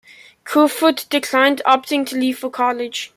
Kerfoot declined, opting to leave for college.